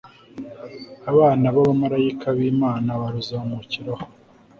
Abonabamaraika blmana baruzamukiraho